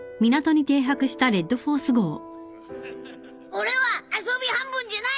俺は遊び半分じゃない！